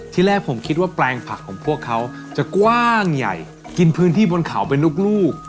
ที่แรกผมคิดว่าแปลงผักของพวกเขาจะกว้างใหญ่กินพื้นที่บนเขาเป็นลูก